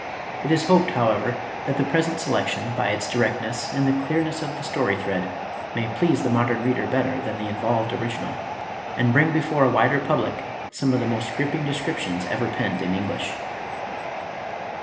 It is hoped, however, that the present selection, by its directness and the clear ness of the story thread, may please the modem reader better than the involved original, and bring before a wider public some of the most gripping descriptions ever penned in English.